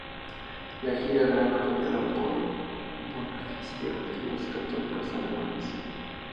La gira fue apoyado por Bonifacio de los católicos alemanes.